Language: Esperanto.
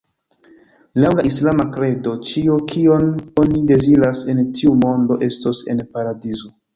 Laŭ la islama kredo, ĉio kion oni deziras en tiu mondo estos en Paradizo.